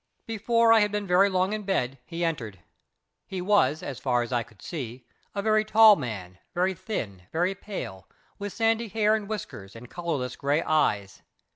Before I had been long in bed he entered. He was, as far as I could see, a very tall man, very thin, very pale, with sandy hair and whiskers and colourless grey eyes.